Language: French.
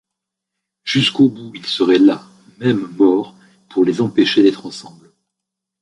Jusqu’au bout, il serait là, même mort, pour les empêcher d’être ensemble.